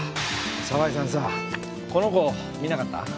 沢井さんさぁこの子見なかった？